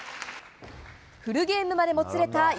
フルゲームまでもつれた